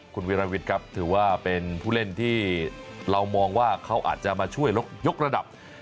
คุณวิรวิทย์ครับถือว่าเป็นผู้เล่นที่เรามองว่าเขาอาจจะมาช่วยยกระดับ